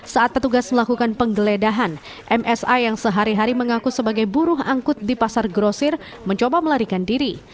saat petugas melakukan penggeledahan msa yang sehari hari mengaku sebagai buruh angkut di pasar grosir mencoba melarikan diri